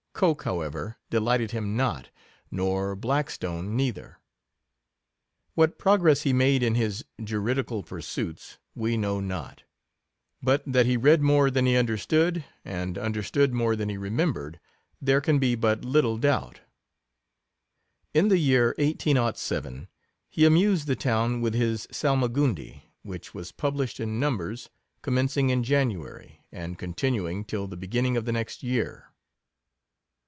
Coke, however, "delighted him not — nor Vll Blackstone neither." What progress he made in his juridical pursuits, we know not; but that he read more than he under stood, and understood more than he remem bered, there can be but little doubt. In the year 1807, he amused the town with his Salmagundi, which was published in numbers, commencing in January, and con tinuing till the beginning of the next year.